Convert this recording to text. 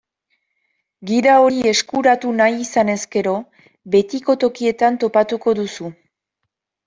Gida hori eskuratu nahi izanez gero, betiko tokietan topatuko duzu.